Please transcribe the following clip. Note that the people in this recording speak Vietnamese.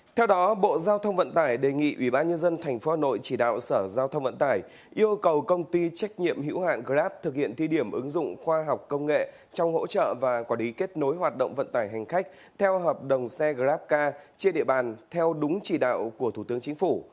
theo đó bộ giao thông vận tải đề nghị ủy ban nhân dân tp hcm chỉ đạo sở giao thông vận tải yêu cầu công ty trách nhiệm hữu hạn grab thực hiện thi điểm ứng dụng khoa học công nghệ trong hỗ trợ và quả lý kết nối hoạt động vận tải hành khách theo hợp đồng xe grabcar trên địa bàn theo đúng chỉ đạo của thủ tướng chính phủ